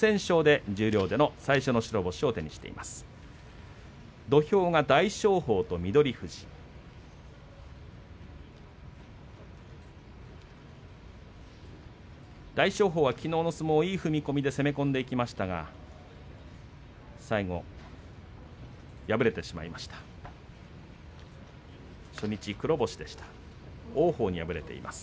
大翔鵬はきのうの相撲いい踏み込みで攻め込んでいきましたが最後は敗れてしまいました。